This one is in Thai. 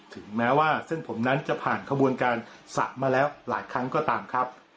ถึงแม้ว่าเส้นผมนั้นจะผ่านขบวนการสระมาแล้วหลายครั้งก็ตามครับ